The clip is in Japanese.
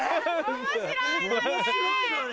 面白いのに！